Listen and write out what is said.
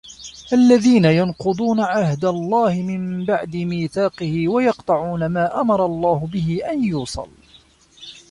الَّذِينَ يَنْقُضُونَ عَهْدَ اللَّهِ مِنْ بَعْدِ مِيثَاقِهِ وَيَقْطَعُونَ مَا أَمَرَ اللَّهُ بِهِ أَنْ يُوصَلَ